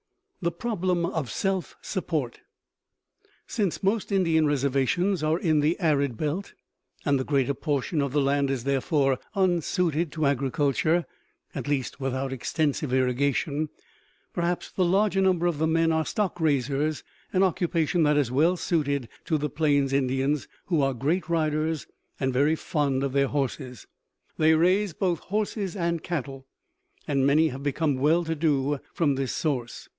THE PROBLEM OF SELF SUPPORT Since most Indian reservations are in the arid belt and the greater portion of the land is therefore unsuited to agriculture, at least without extensive irrigation, perhaps the larger number of the men are stock raisers, an occupation well suited to the Plains Indians, who are great riders and very fond of their horses. They raise both horses and cattle, and many have become well to do from this source.